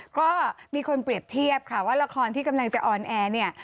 ก็มีคนเปรียบเทียบค่ะว่าละครที่กำลังจะออนแอร์เนี่ย